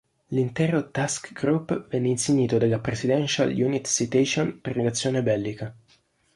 L'intero task group venne insignito della Presidential Unit Citation per l'azione bellica.